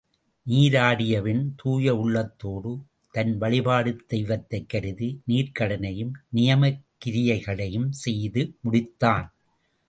நீராடியபின் தூய உள்ளத்தோடு தன் வழிபடு தெய்வத்தைக் கருதி நீர்க்கடனையும் நியமக்கிரியைகளையும் செய்து முடித்தான்.